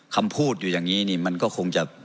คำพูดอยู่อย่างนี้นี่มันก็คงจะ